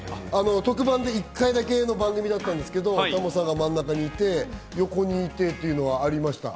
特番で１回だけの番組だったんですけど、タモさんが真ん中にいて、横にいてっていうのはありました。